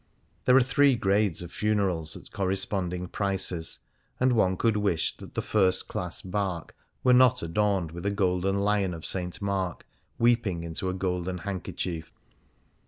There are three grades of funerals at coiTesponding 127 Things Seen in Venice prices, and one could wish that the first class barque were not adorned with a golden Lion of St. Mark weeping into a golden handkerchief.